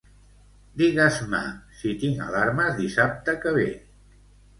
Digues-me si tinc alarmes dissabte que ve.